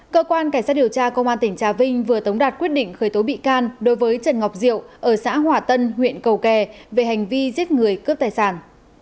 cơ quan cảnh sát điều tra công an tỉnh trà vinh vừa tống đạt quyết định khởi tố bị can đối với trần ngọc diệu ở xã hòa tân huyện cầu kè về hành vi giết người cướp tài sản